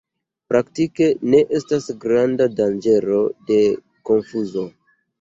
Praktike ne estas granda danĝero de konfuzo.